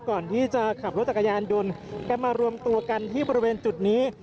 ก่อนที่จะขับรถจักรยานยนต์กันมารวมตัวกันที่บริเวณจุดนี้